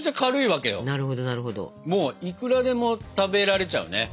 もういくらでも食べられちゃうね。